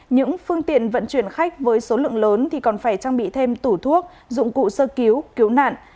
những phương tiện vận chuyển khách với số lượng lớn thì còn phải trang bị thêm tủ thuốc dụng cụ sơ cứu cứu nạn